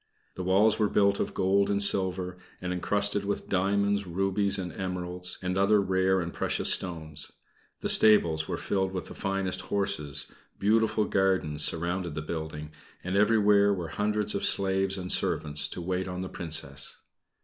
The walls were built of gold and silver, and encrusted with diamonds, rubies and emeralds, and other rare and precious stones. The stables were filled with the finest horses; beautiful gardens surrounded the building, and everywhere were hundreds of slaves and servants to wait on the Princess.